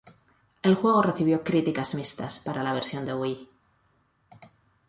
El juego recibió críticas mixtas para la versión de Wii.